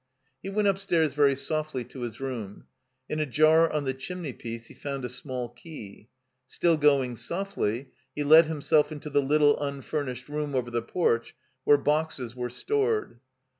He went upstairs very softly to his room. In a jar on the chimney piece he fotmd a small key. Still going softly, he let himself into the little unfurnished room over the porch where boxes were stored.